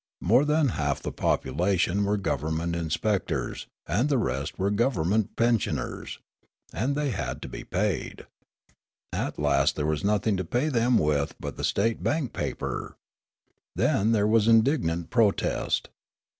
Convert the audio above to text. More than half the population were government inspectors, and the rest were govern ment pensioners ; and they had to be paid. At last there was nothing to pay them with but the state bank paper. Then there was indignant protest.